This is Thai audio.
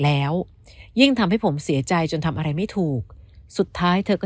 แล้วยิ่งทำให้ผมเสียใจจนทำอะไรไม่ถูกสุดท้ายเธอก็